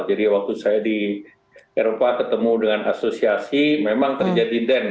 jadi waktu saya di eropa ketemu dengan asosiasi memang terjadi deng